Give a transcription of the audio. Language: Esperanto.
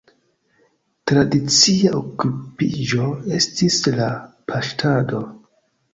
Tradicia okupiĝo estis la paŝtado.